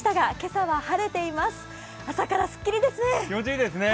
朝からすっきりですね。